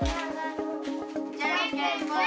じゃんけんぽい。